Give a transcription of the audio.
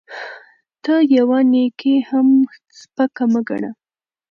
ته يوه نيکي هم سپکه مه ګڼه